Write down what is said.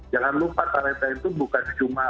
jangan lupa talenta itu bukan cuma